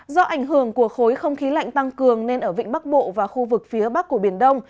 do ảnh hưởng của khối không khí lạnh tăng cường nên ở vịnh bắc bộ và khu vực phía bắc của biển đông